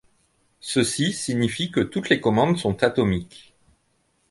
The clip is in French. Ceci signifie que toutes les commandes sont atomiques.